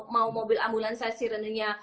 mau mobil ambulans sirenenya